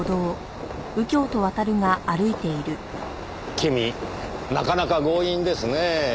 君なかなか強引ですねぇ。